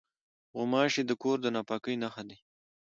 غوماشې د کور د ناپاکۍ نښه دي.